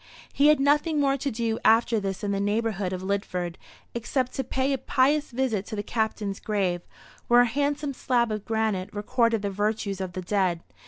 He had nothing more to do after this in the neighbourhood of Lidford, except to pay a pious visit to the Captain's grave, where a handsome slab of granite recorded the virtues of the dead.